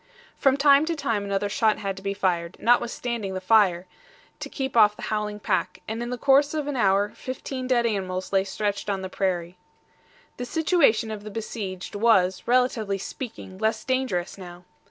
From time to time another shot had to be fired, notwithstanding the fire, to keep off the howling pack, and in the course of an hour fifteen dead animals lay stretched on the prairie. The situation of the besieged was, relatively speaking, less dangerous now.